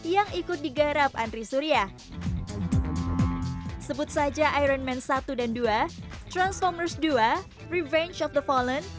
yang ikut digarap andri surya sebut saja iron man satu dan dua transformers dua prevench of the vollent